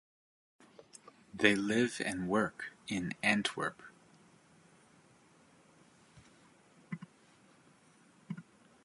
They live and work in Antwerp.